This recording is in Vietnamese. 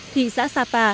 thị xã sapa